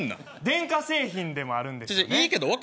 電化製品でもあるんですよね。